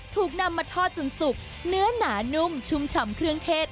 ถูกนำมาทอดจนสุกเนื้อหนานุ่มชุ่มชำเครื่องเทศ